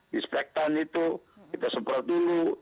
di spektan itu kita sempurna dulu